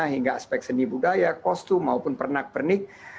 hingga aspek seni budaya kostum maupun pernak pernik